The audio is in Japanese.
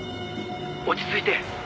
「落ち着いて」